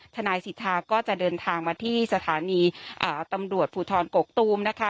ทนายสิทธาก็จะเดินทางมาที่สถานีตำรวจภูทรกกตูมนะคะ